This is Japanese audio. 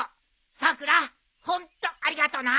さくらホントありがとな。